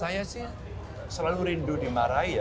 saya sih selalu rindu dimarahi ya